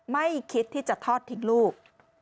ไม่คิดที่จะทอดทิ้งลูก